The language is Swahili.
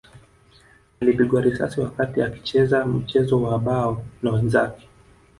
Alipigwa risasi wakati akicheza mchezo wa bao na wenzake